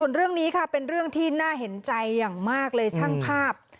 ส่วนเรื่องนี้ค่ะเป็นเรื่องที่น่าเห็นใจอย่างมากเลยช่างภาพ